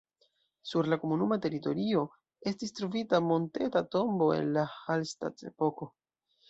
Sur la komunuma teritorio estis trovita monteta tombo el la Hallstatt-epoko.